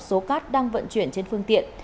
số cát đang vận chuyển trên phương tiện